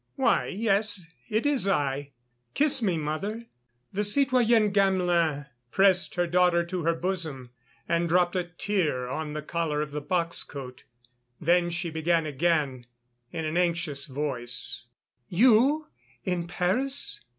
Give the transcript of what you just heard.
"Why, yes, it is I. Kiss me, mother." The citoyenne Gamelin pressed her daughter to her bosom, and dropped a tear on the collar of the box coat. Then she began again in an anxious voice: "You, in Paris!..."